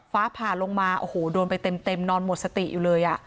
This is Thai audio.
ฟ้าผ่าลงมาโอ้โหโดนไปเต็มนอนหมดสติอยู่เลย